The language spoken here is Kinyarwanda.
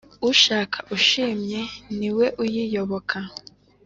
Ushaka ushimye niwe uyiyoboka.